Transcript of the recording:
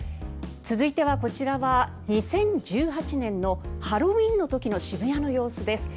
続いては、こちらは２０１８年のハロウィーンの時の渋谷の様子です。